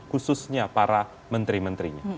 khususnya para menteri menterinya